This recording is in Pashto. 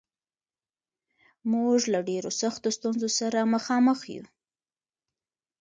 موږ له ډېرو سختو ستونزو سره مخامخ یو